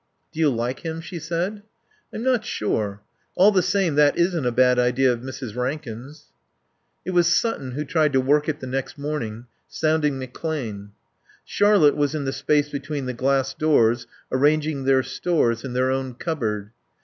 "Do you like him?" she said. "I'm not sure. All the same that isn't a bad idea of Mrs. Rankin's." It was Sutton who tried to work it the next morning, sounding McClane. Charlotte was in the space between the glass doors, arranging their stores in their own cupboard.